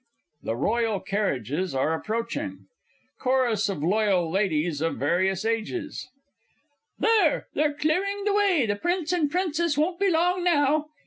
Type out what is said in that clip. THE ROYAL CARRIAGES ARE APPROACHING. CHORUS OF LOYAL LADIES OF VARIOUS AGES. There they're clearing the way the Prince and Princess won't be long now.